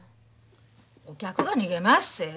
お客が逃げまっせ。